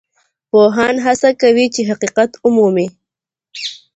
پوهان هڅه کوي چي حقیقت ومومي.